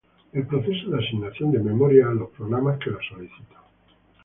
El proceso de asignación de memoria a los programas que la solicitan.